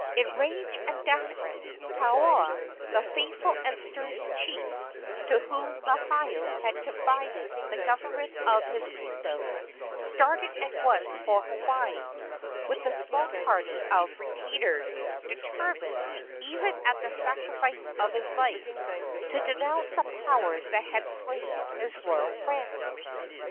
Enraged and desperate, Paoa, the faithful and sturdy chief to whom Lohiau had confided the government of his kingdom, started at once for Hawaii with a small party of retainers, determined, even at the sacrifice of his life, to denounce the powers that had slain his royal friend.